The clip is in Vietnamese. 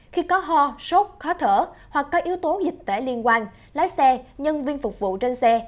khi có ho sốt khó thở hoặc có yếu tố dịch tễ liên quan lái xe nhân viên phục vụ trên xe